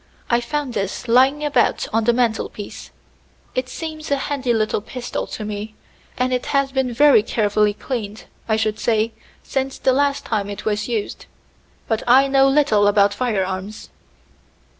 "I found this lying about on the mantel piece. It seems a handy little pistol to me, and it has been very carefully cleaned, I should say, since the last time it was used. But I know little about firearms."